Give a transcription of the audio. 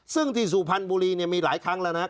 ซึ่งที่สุพรรณบุรีมีหลายครั้งแล้วนะครับ